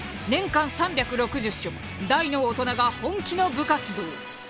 年間３６０食大の大人が本気の部活動！